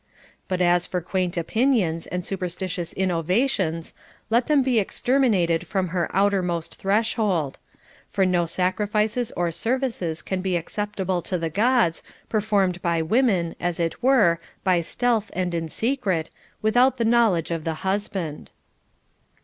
But as for quaint opinions and superstitious innovations, let them be exterminated from her outermost threshold. For no sac rifices or services can be acceptable to the Gods, performed by women, as it were, by stealth and in secret, without the knowledge of the husband.